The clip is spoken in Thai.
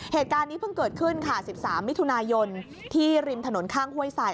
เหตุการณ์นี้เพิ่งเกิดขึ้นค่ะ๑๓มิถุนายนที่ริมถนนข้างห้วยสาย